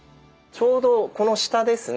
ちょうどこの下ですね。